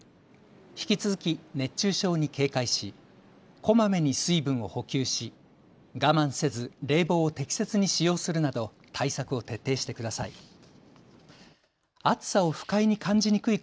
引き続き熱中症に警戒しこまめに水分を補給し我慢せず冷房を適切に使用するなど対策を徹底してください。